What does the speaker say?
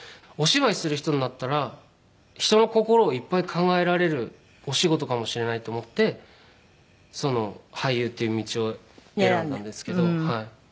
お芝居する人になったら人の心をいっぱい考えられるお仕事かもしれないと思って俳優っていう道を選んだんですけど。